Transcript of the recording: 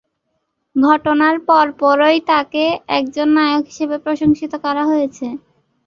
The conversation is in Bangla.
ঘটনার পরপরই, তাকে একজন নায়ক হিসেবে প্রশংসিত করা হয়েছে।